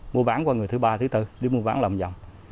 mua bán qua người thứ ba thứ tư để mua bán lòng vòng